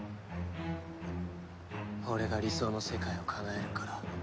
俺が理想の世界をかなえるから。